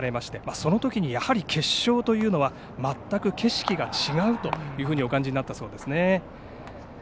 そのときやはり決勝というのは全く景色が違うとお感じになったそうです。